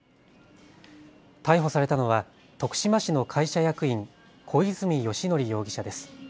逮捕されたのは徳島市の会社役員、小泉喜徳容疑者です。